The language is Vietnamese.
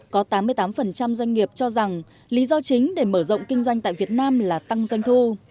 có tám mươi tám doanh nghiệp cho rằng lý do chính để mở rộng kinh doanh tại việt nam là tăng doanh thu